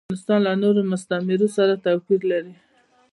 افغانستان له نورو مستعمرو سره توپیر لري.